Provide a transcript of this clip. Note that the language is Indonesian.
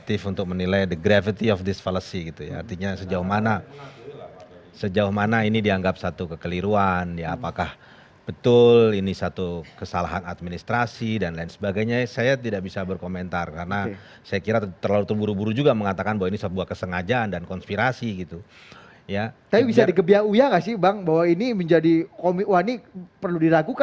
inilah belum menurut saya belum berakhir